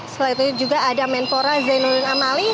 selain itu juga ada mentora zainulun amali